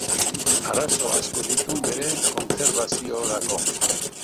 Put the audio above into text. Arazo asko ditu bere kontserbaziorako.